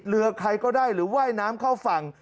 เรือใครก็ได้หรือว่ายน้ำเข้าฝั่ง